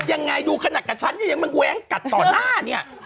ยังไงดูขนาดกับฉันเนี่ยยังมันแว้งกัดต่อหน้าเนี่ย